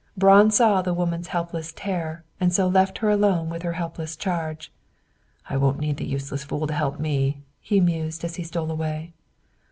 Braun saw the woman's helpless terror and so left her alone with her helpless charge. "I won't need the useless fool to help me," he mused as he stole away.